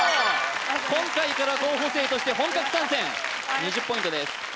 今回から候補生として本格参戦２０ポイントです